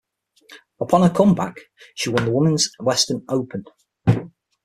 Upon her comeback, she won the Women's Western Open.